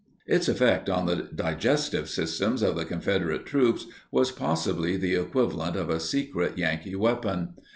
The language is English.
Its effect on the digestive systems of the Confederate soldiers was possibly the equivalent of a secret Yankee weapon.